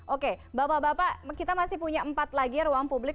oke bapak bapak kita masih punya empat lagi ruang publik